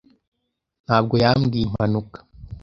Ntabwo yambwiye impanuka.